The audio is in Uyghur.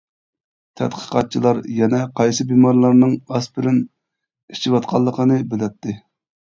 تەتقىقاتچىلار يەنە قايسى بىمارلارنىڭ ئاسپىرىن ئىچىۋاتقانلىقىنى بىلەتتى.